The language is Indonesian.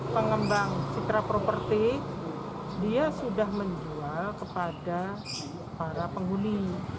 pengembang citra properti dia sudah menjual kepada para penghuni